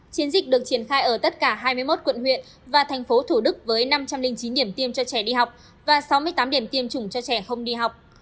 chiến dịch được triển khai ở tất cả hai mươi một quận huyện và thành phố thủ đức với năm trăm linh chín điểm tiêm cho trẻ đi học và sáu mươi tám điểm tiêm chủng cho trẻ không đi học